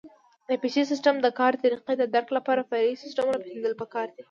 د پېچلي سیسټم د کار طریقې د درک لپاره فرعي سیسټمونه پېژندل پکار دي.